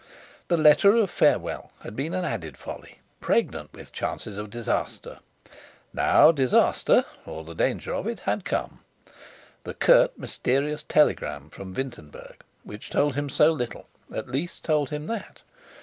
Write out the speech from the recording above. The letter of farewell had been an added folly, pregnant with chances of disaster. Now disaster, or the danger of it, had come. The curt, mysterious telegram from Wintenberg, which told him so little, at least told him that.